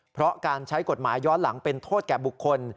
เพราะการใช้กฎหมายย้อนหลังเป็นโทษแก่บุคคล